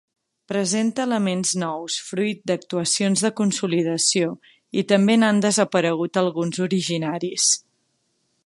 Presenta elements nous, fruit d'actuacions de consolidació, i també n'han desaparegut alguns originaris.